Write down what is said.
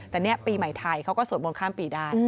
แต่นี่ปีใหม่ไทยเขาก็สวดมนต์ข้ามปีได้